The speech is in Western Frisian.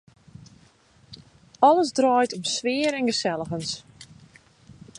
Alles draait om sfear en geselligens.